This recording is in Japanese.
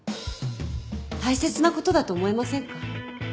大切なことだと思いませんか？